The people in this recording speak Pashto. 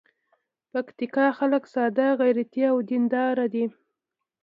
پکتیکا خلک ساده، غیرتي او دین دار دي.